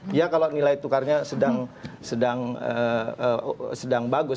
dia kalau nilai tukarnya sedang bagus